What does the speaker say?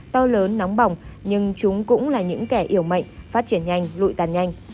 to lớn nóng bỏng nhưng chúng cũng là những kẻ yếu mạnh phát triển nhanh lụi tàn nhanh